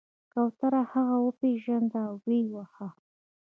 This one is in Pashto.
کوترو هغه وپیژند او ویې واهه.